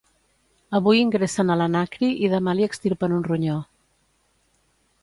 Avui ingressen a l'Anacri i demà li extirpen un ronyó